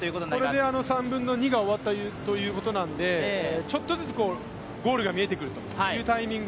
これで３分の２が終わったということなので、ちょっとずつゴールが見えてくるというタイミング。